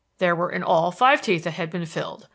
There were in all five teeth that had been filled.